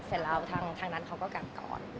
เสร็จแล้วทางนั้นเขาก็กลับก่อน